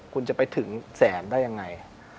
คุณจะไปถึงแสนได้ยังไง